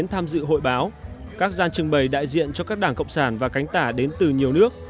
tham dự hội báo các gian trưng bày đại diện cho các đảng cộng sản và cánh tả đến từ nhiều nước